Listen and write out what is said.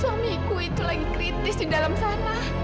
suamiku itu lagi kritis di dalam sana